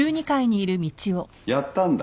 やったんだ？